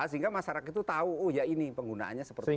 sehingga masyarakat itu tahu oh ya ini penggunaannya seperti itu